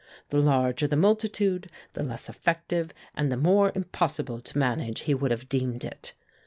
The larger the multitude, the less effective and the more impossible to manage he would have deemed it.